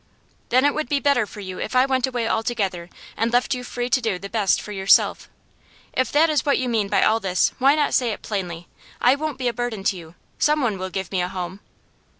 'Then it would be better for you if I went away altogether, and left you free to do the best for yourself. If that is what you mean by all this, why not say it plainly? I won't be a burden to you. Someone will give me a home.